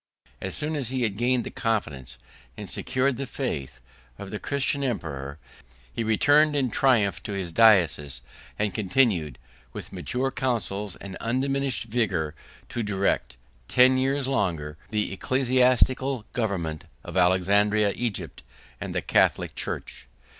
5 As soon as he had gained the confidence, and secured the faith, of the Christian emperor, he returned in triumph to his diocese, and continued, with mature counsels and undiminished vigor, to direct, ten years longer, 6 the ecclesiastical government of Alexandria, Egypt, and the Catholic church.